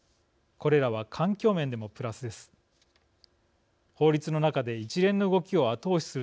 これらは環境面でもプラスです。